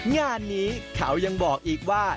งานนี้เขายังบอกอีกว่า